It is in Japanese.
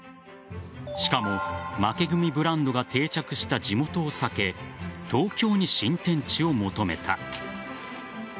しかも負け組ブランドが定着した地元を避け東京に新天地を求めた。